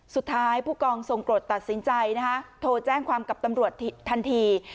ผู้กองทรงกรดตัดสินใจนะคะโทรแจ้งความกับตำรวจทันที